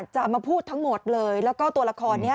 จะมาพูดทั้งหมดเลยแล้วก็ตัวละครนี้